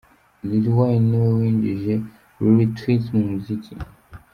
Lil Wayne niwe winjije Lil Twis mu muziki.